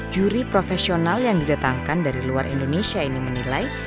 juri profesional yang didatangkan dari luar indonesia ini menilai